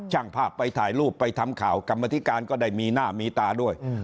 ช่างภาพไปถ่ายรูปไปทำข่าวกรรมธิการก็ได้มีหน้ามีตาด้วย